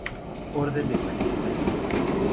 Orden de Clasificación